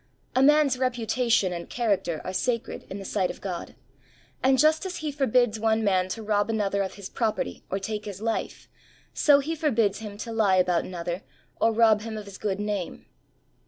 A man*s reputation and character are sacred in the sight of God, and just as He forbids one man to rob another of his property, or take his life, so He forbids him to Ik about another, or rob him of his good name.